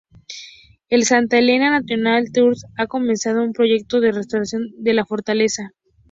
El Santa Elena National Trust ha comenzado un proyecto de restauración de la fortaleza.